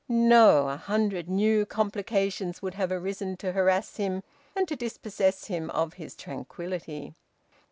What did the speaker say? No, a hundred new complications would have arisen to harass him and to dispossess him of his tranquillity!